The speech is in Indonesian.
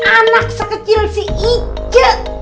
anak sekecil si ije